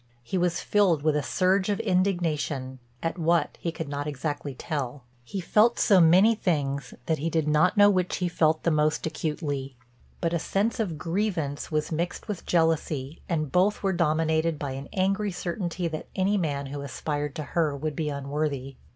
He was filled with a surge of indignation, at what he could not exactly tell. He felt so many things that he did not know which he felt the most acutely, but a sense of grievance was mixed with jealousy and both were dominated by an angry certainty that any man who aspired to her would be unworthy.